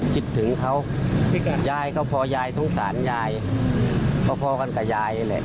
คิดถึงเขายายเขาพอยายทงสารยายเพราะพอกันกับยาย